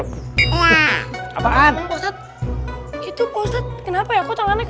apaan itu kenapa ya